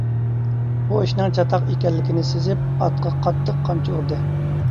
ئۇ ئىشنىڭ چاتاق ئىكەنلىكىنى سېزىپ ئاتقا قاتتىق قامچا ئۇردى.